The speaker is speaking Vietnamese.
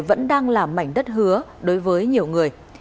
vẫn đang là mảnh đất hứa đối với nhiều người